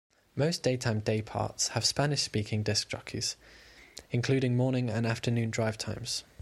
Most daytime dayparts have Spanish-speaking disc jockeys, including morning and afternoon drive times.